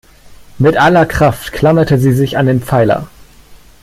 Mit aller Kraft klammerte sie sich an den Pfeiler.